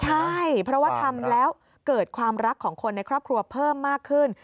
ใช่เพราะว่าทำแล้วเกิดความรักของคนในครอบครัวเพิ่มมากขึ้น